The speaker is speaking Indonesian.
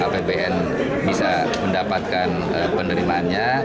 bpn bisa mendapatkan penerimaannya